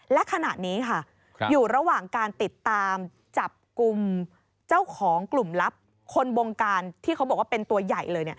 และขณะนี้ค่ะอยู่ระหว่างการติดตามจับกลุ่มเจ้าของกลุ่มลับคนบงการที่เขาบอกว่าเป็นตัวใหญ่เลย